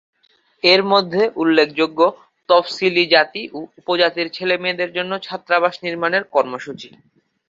এর মধ্যে উল্লেখযোগ্য, তফসিলি জাতি ও উপজাতির ছেলেমেয়েদের জন্য ছাত্রাবাস নির্মাণের কর্মসূচি।